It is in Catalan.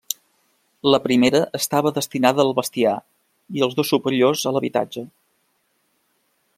La primera estava destinada al bestiar i els dos superiors a l'habitatge.